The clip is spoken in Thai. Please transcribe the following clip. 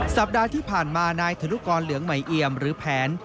สัปดาห์ที่ผ่านมานายธนุกรเหลืองใหม่เอียมหรือแผน